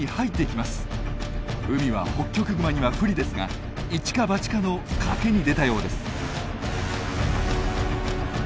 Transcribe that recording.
海はホッキョクグマには不利ですが一か八かの賭けに出たようです。